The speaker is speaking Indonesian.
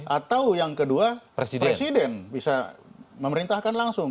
atau yang kedua presiden bisa memerintahkan langsung